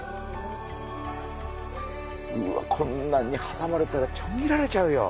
うわこんなんにはさまれたらちょん切られちゃうよ。